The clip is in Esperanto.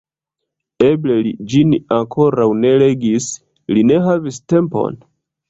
Eble li ĝin ankoraŭ ne legis, li ne havis tempon?